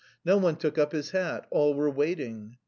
No one took up his hat; all were waiting.